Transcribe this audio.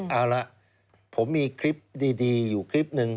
เอาละผมมีคลิปดีอยู่คลิปหนึ่ง